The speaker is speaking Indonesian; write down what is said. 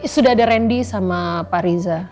sudah ada randy sama pak riza